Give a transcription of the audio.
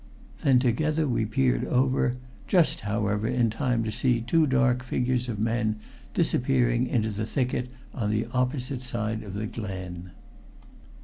Then together we peered over, just, however, in time to see two dark figures of men disappearing into the thicket on the opposite side of the glen.